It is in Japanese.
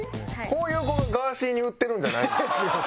こういう子がガーシーに売ってるんじゃないの？